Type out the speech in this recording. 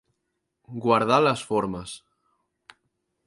Guardar les formes.